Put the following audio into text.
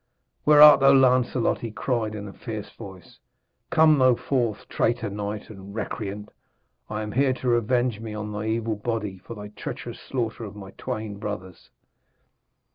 'Where art thou, Lancelot?' he cried in a fierce voice. 'Come thou forth, traitor knight and recreant! I am here to revenge me on thy evil body for thy treacherous slaughter of my twain brothers.'